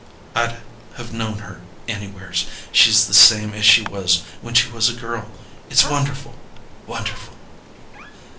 I'd have known her anywheres. She's the same as she was when she was a girl. It's wonderful wonderful!"